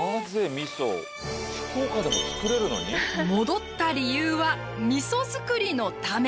戻った理由はみそ造りのため。